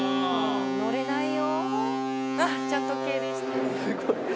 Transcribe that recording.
乗れないよ！